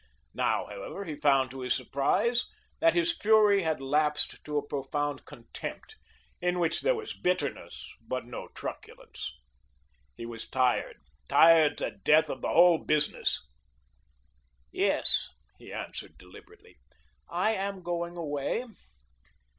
Now, however, he found to his surprise that his fury had lapsed to a profound contempt, in which there was bitterness, but no truculence. He was tired, tired to death of the whole business. "Yes," he answered deliberately, "I am going away.